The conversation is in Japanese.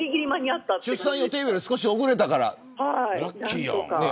出産予定日より遅れたから。